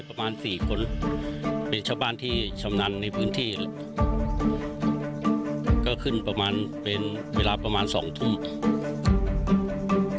ตอนนั้นเริ่มถอยลงมาว่าไม่มีความมั่นใจว่าจะจัดการทางแรก